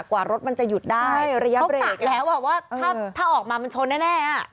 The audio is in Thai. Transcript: กว่ารถมันจะหยุดได้เขากะแล้วอ่ะว่าถ้าออกมามันชนแน่